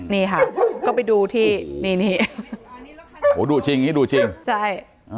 นี่ค่ะก็ไปดูที่นี่นี่โหดูจริงอย่างนี้ดูจริงใช่